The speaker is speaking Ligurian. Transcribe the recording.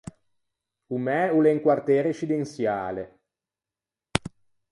O mæ o l’é un quartê rescidensiale.